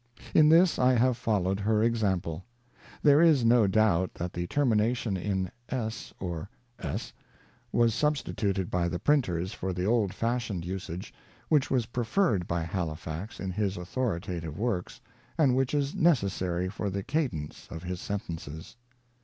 In this I have followed her example. There is no doubt that the termina tion in es, or s, was substituted by the printers for the old fashioned usage, which was preferred by Halifax in his authoritative works, and which is necessary for the cadence of his sentences.